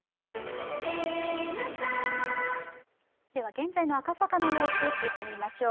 現在の赤坂の様子、聞いてみましょう。